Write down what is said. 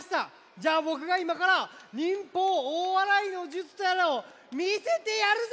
じゃあぼくがいまから忍法おおわらいの術とやらをみせてやるぜ！